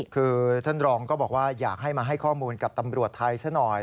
คือท่านรองก็บอกว่าอยากให้มาให้ข้อมูลกับตำรวจไทยซะหน่อย